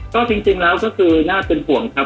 ก็คือจริงแล้วหน้าที่เป็นปัญหาความต้องห่วงครับ